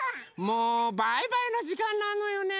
もうバイバイのじかんなのよね。